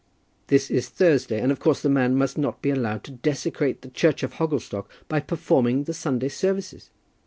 This is Thursday, and of course the man must not be allowed to desecrate the church of Hogglestock by performing the Sunday services."